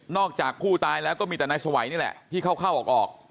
จากผู้ตายแล้วก็มีแต่นายสวัยนี่แหละที่เข้าออก